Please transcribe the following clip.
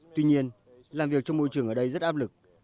tuy nhiên làm việc trong môi trường ở đây rất áp lực